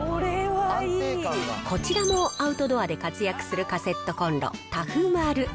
こちらもアウトドアで活躍するカセットコンロ、タフまる。